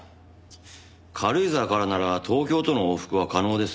軽井沢からなら東京との往復は可能です。